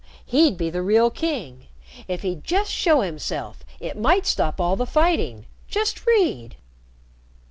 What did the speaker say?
He'd be the real king. If he'd just show himself, it might stop all the fighting. Just read."